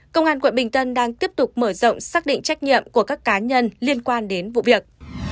công an quận bình tân đang tiếp tục mở rộng xác định trách nhiệm của các cá nhân liên quan đến vụ việc